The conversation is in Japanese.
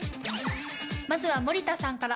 まずは森田さんから。